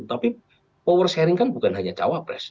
tapi power sharing kan bukan hanya cawapres